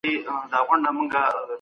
ګابرېلا وايي، ممکن پرې روږدې شوې وي.